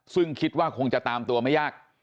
ซึ่งคิดว่าคงจะตามตัวไม่ยาก